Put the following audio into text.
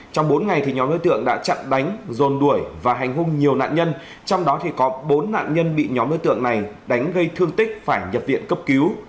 trong bốn ngày thì nhóm đối tượng đã chặn đánh dồn đuổi và hành hung nhiều nạn nhân trong đó có bốn nạn nhân bị nhóm đối tượng này đánh gây thương tích phải nhập viện cấp cứu